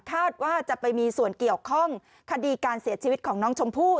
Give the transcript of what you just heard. คาดว่าจะไปมีส่วนเกี่ยวข้องคดีการเสียชีวิตของน้องชมพู่